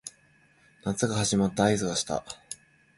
夏が始まった合図がした